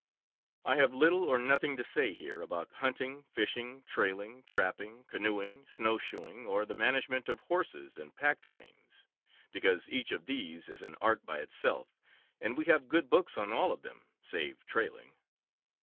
I have little or nothing to say, here, about hunting, fishing, trailing, trapping, canoeing, snowshoeing, or the management of horses and pack trains, because each of these is an art by itself, and we have good books on all of them save trailing.